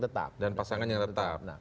tetap dan pasangan yang tetap